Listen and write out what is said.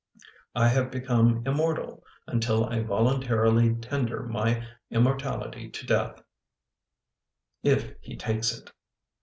I have become immortal until I volun tarily tender my immortality to death, if he takes it."